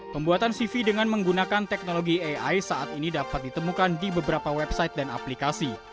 pembuatan cv dengan menggunakan teknologi ai saat ini dapat ditemukan di beberapa website dan aplikasi